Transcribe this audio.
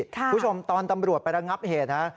คุณผู้ชมตอนตำรวจไประงับเหตุนะฮะ